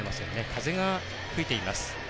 風が吹いています